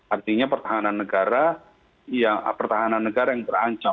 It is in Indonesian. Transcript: artinya pertahanan negara yang berancam